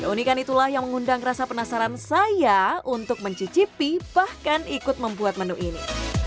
keunikan itulah yang mengundang rasa penasaran saya untuk mencicipi bahkan ikut membuat menu ini